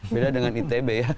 beda dengan itb ya